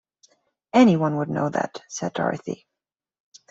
"Anyone would know that," said Dorothy.